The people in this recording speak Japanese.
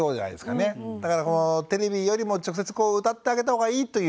だからテレビよりも直接歌ってあげたほうがいいという。